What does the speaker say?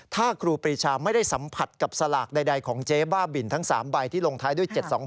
ถ้าครูปรีชาไม่ได้สัมผัสกับสลากใดของเจ๊บ้าบินทั้ง๓ใบที่ลงท้ายด้วย๗๒๖